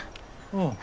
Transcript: うん。